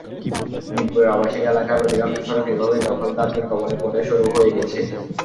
মিরপুরের আবাসিক এলাকার অধিকাংশ সড়ক এভাবেই দখলদারদের কবলে পড়ে সরু হয়ে গেছে।